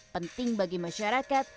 penting bagi masyarakat